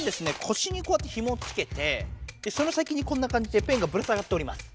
こしにこうやってひもをつけてその先にこんな感じでペンがぶら下がっております。